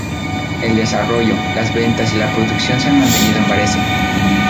El desarrollo, las ventas y la producción se han mantenido en Varese.